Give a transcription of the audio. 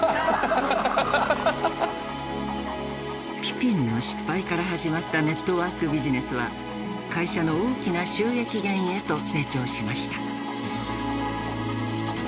ピピンの失敗から始まったネットワークビジネスは会社の大きな収益源へと成長しました。